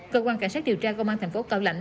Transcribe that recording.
cơ quan cảnh sát điều tra công an thành phố cao lãnh